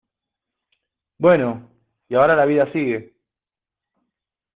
bueno, y ahora la vida sigue.